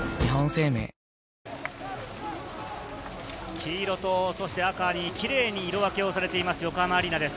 黄色と、そして赤にキレイに色分けされています、横浜アリーナです。